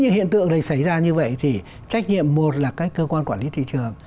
những hiện tượng này xảy ra như vậy thì trách nhiệm một là các cơ quan quản lý thị trường